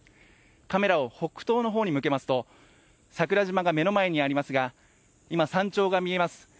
カメラを北東の方に向けますと、桜島が目の前にありますが、今、山頂が見えます。